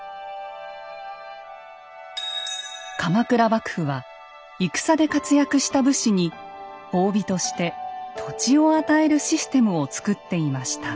鎌倉幕府は戦で活躍した武士に褒美として土地を与えるシステムをつくっていました。